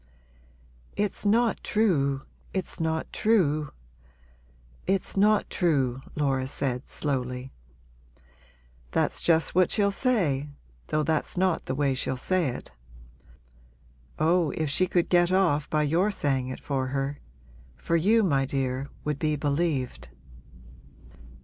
'It's not true it's not true it's not true,' Laura said, slowly. 'That's just what she'll say though that's not the way she'll say it. Oh, if she could get off by your saying it for her! for you, my dear, would be believed.'